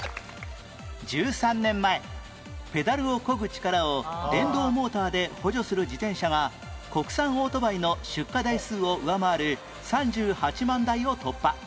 １３年前ペダルをこぐ力を電動モーターで補助する自転車が国産オートバイの出荷台数を上回る３８万台を突破